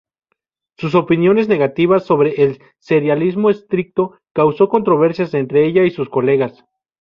Sus opiniones negativas sobre el serialismo estricto causó controversias entre ella y sus colegas.